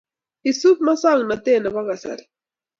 Isub musongnotet nebo kasari